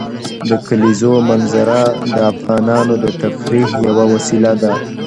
د کلیزو منظره د افغانانو د تفریح یوه وسیله ده.